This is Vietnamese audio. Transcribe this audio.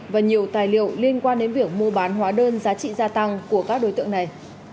và nhiều tài liệu liên quan đến việc mua bán hóa đơn giá trị gia tăng của các đối tượng này